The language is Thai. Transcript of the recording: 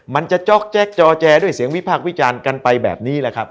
จ๊อกแก๊กจอแจด้วยเสียงวิพากษ์วิจารณ์กันไปแบบนี้แหละครับ